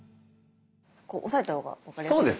こう押さえた方が分かりやすいですね。